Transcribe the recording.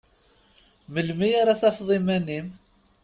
Melmi ara tafeḍ iman-im?